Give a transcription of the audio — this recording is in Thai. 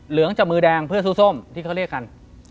งจากมือแดงเพื่อสู้ส้มที่เขาเรียกกัน